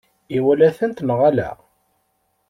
Iwala-tent neɣ ala?